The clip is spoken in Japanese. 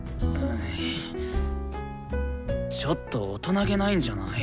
ちょっと大人気ないんじゃない？